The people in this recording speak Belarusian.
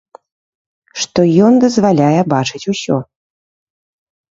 Што ён дазваляе бачыць усё.